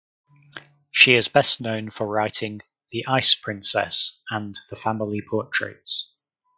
She is best known for writing "The Ice Princess" and The Family Portraits.